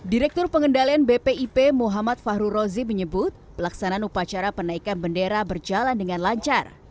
direktur pengendalian bpip muhammad fahru rozi menyebut pelaksanaan upacara penaikan bendera berjalan dengan lancar